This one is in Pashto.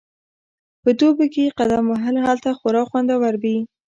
په دوبي کې قدم وهل هلته خورا خوندور وي